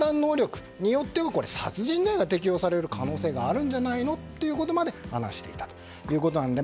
両親の精神状態、要は判断能力によっては殺人罪が適用されることがあるのではないかということまで話されていたということです。